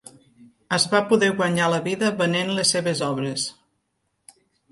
Es va poder guanyar la vida venent les seves obres.